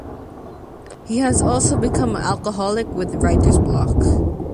He has also become an alcoholic with writer's block.